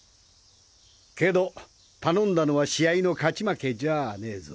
けど頼んだのは試合の勝ち負けじゃあねぇぞ。